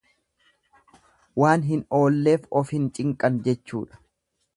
Waan hin oolleef of hin cinqan jechuudha.